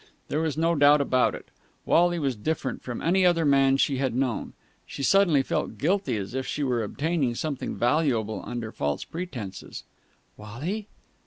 There was no doubt about it, Wally was different from any other man she had known. She suddenly felt guilty, as if she were obtaining something valuable under false pretences. "Wally!"